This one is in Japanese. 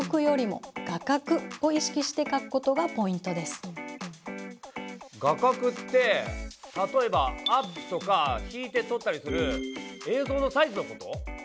絵コンテは画角って例えばアップとか引いて撮ったりする映像のサイズのこと？